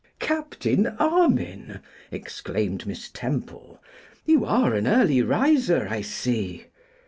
'Captain Armine!' exclaimed Miss Temple, 'you are an early riser, I see.